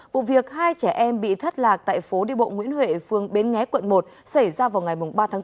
vụ việc hai trẻ em bị thất lạc tại phố đi bộ nguyễn huệ phương bến nghé quận một xảy ra vào ngày ba tháng bốn